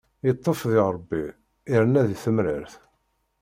Iṭṭef di Ṛebbi, irna di temrart.